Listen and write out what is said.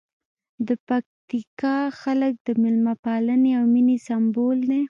د پکتیکا خلک د مېلمه پالنې او مینې سمبول دي.